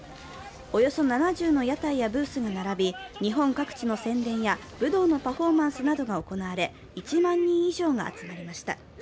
およそ７０の屋台やブースが並び日本各地の宣伝や武道のパフォーマンスなどが行われ、１万人以上が集まりました。